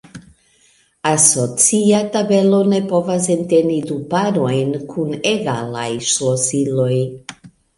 Asocia tabelo ne povas enteni du parojn kun egalaj ŝlosiloj.